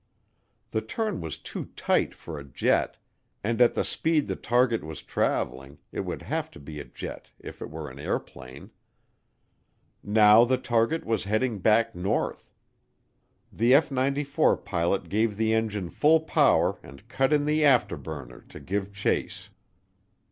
The turn was too tight for a jet, and at the speed the target was traveling it would have to be a jet if it were an airplane. Now the target was heading back north. The F 94 pilot gave the engine full power and cut in the afterburner to give chase.